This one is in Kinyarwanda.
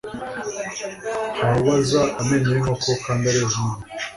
ntawubaza amenyo y'inkoko kandi areba umunwa